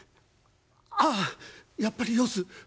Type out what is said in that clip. ああやっぱりよす」。